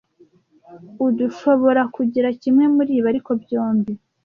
Urdushoborakugira kimwe muribi, ariko byombi.